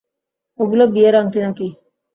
ওগুলো বিয়ের আংটি নাকি?